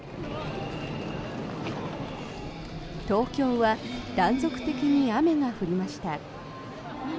東京は断続的に雨が降りました。